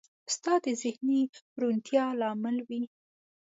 استاد د ذهني روڼتیا لامل وي.